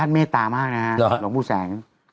ท่านเมตตามากนะครับหลงปู่แสง